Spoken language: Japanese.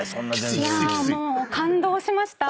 もう感動しました。